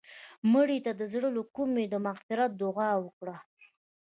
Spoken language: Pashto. مړه ته د زړه له کومې د مغفرت دعا وکړه